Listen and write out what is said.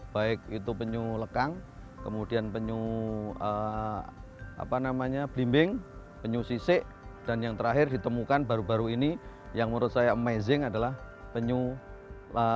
baik itu penyu lekang kemudian penyu belimbing penyu sisik dan yang terakhir ditemukan baru baru ini yang menurut saya amazing adalah penyu lagu